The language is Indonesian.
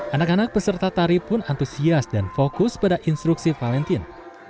anak anak peserta tari pun antusias dan fokus pada instruksi valentine